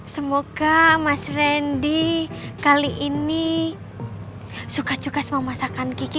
semoga mas randy kali ini suka suka sama masakan kiki